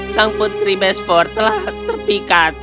sang putri besford telah terpikat